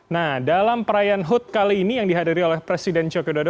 nah dalam perayaan hud kali ini yang dihadiri oleh presiden jokododo